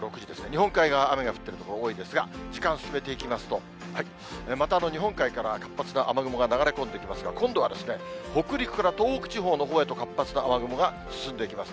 日本海側、雨が降ってる所多いですが、時間進めていきますと、活発な雨雲が流れ込んできますが、今度は北陸から東北地方のほうへと活発な雨雲が進んできます。